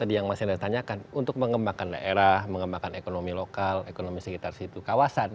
tadi yang mas hendra tanyakan untuk mengembangkan daerah mengembangkan ekonomi lokal ekonomi sekitar situ kawasan